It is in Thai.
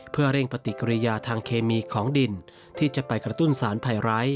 เพื่อเร่งปฏิกิริยาทางเคมีของดินที่จะไปกระตุ้นสารภัยไร้